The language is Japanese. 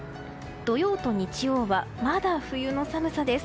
土曜と日曜は、まだ冬の寒さです。